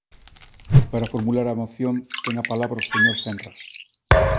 Para formular a moción ten a palabra o señor Senras.